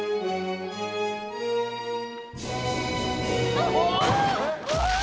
あっ！